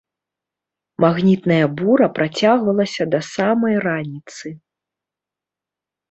Магнітная бура працягвалася да самай раніцы.